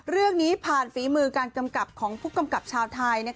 เรื่องนี้ผ่านฝีมือการกำกับของผู้กำกับชาวไทย